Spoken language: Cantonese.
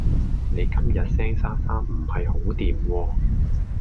你今日聲沙沙唔係好惦喎